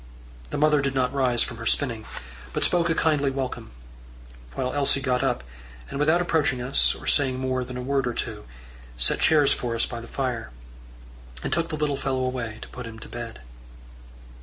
The mother did not rise from her spinning, but spoke a kindly welcome, while Elsie got up, and without approaching us, or saying more than a word or two, set chairs for us by the fire, and took the little fellow away to put him to bed.